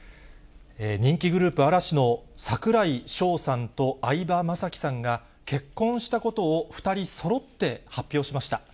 人気グループ、嵐の櫻井翔さんと相葉雅紀さんが結婚したことを２人そろって発表しました。